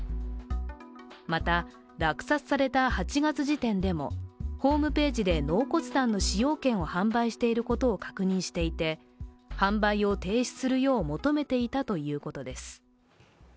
また、落札された８月時点でもホームページで納骨壇の使用権を販売していることを確認していて販売を停止するよう求めていたということです